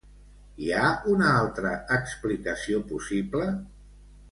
Hi ha una altra explicació possible?